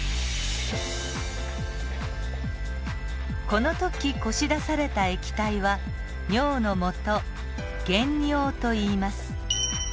この時こし出された液体は尿のもと原尿といいます。